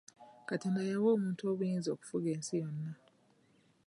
Katonda yawa omuntu obuyinza okufuga ensi yonna.